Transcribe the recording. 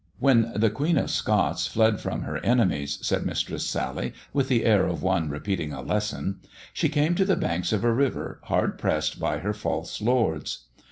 " When the Queen of Scots fled from her enemies," said Mistress Sally, with the air of one repeating a lesson, " she came to the banks of a river hard pressed by her false lords.